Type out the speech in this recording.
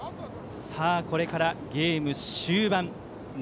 これからゲーム終盤。